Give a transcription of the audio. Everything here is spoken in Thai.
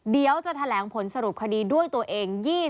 เดี๋ยวจะแถลงผลสรุปคดีด้วยตัวเอง